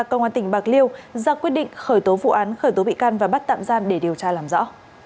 công an tỉnh bạc liêu ra quyết định khởi tố vụ án khởi tố bị can và bắt tạm giam để điều tra làm rõ